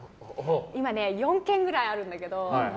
今、４軒ぐらいあるんだけど。